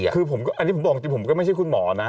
อันนี้ผมบอกจริงผมก็ไม่ใช่คุณหมอนะ